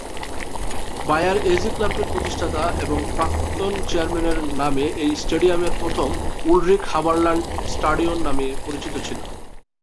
Buyer AG ক্লাবটির প্রতিষ্ঠাতা এবং প্রাক্তন চেয়ারম্যানের নামে এই স্টেডিয়ামটি প্রথমে "উলরিখ-হাবারলান্ড-স্টাডিওন" নামে পরিচিত ছিল।